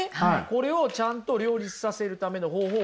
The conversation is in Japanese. これをちゃんと両立させるための方法